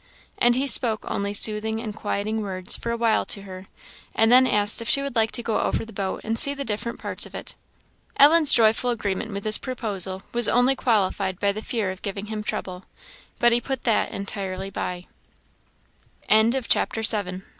And he spoke only soothing and quieting words for a while to her; and then asked if she would like to go over the boat and see the different parts of it. Ellen's joyful agreement with this proposal was only qualified by the fear of giving him trouble. But he put that entirely by. CHAPTER VIII. Leaves